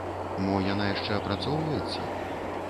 Мо яна яшчэ апрацоўваецца?